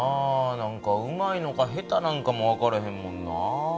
何かうまいのか下手なのかも分からへんもんな。